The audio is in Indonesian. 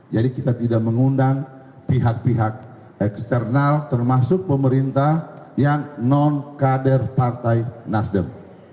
jadi kita tidak mengundang pihak pihak eksternal termasuk pemerintah yang non kader partai nasdem